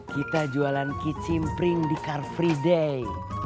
kita jualan kicim pring di car free day